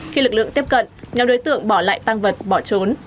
khi lực lượng tiếp cận nhóm đối tượng bỏ lại tăng vật bỏ trốn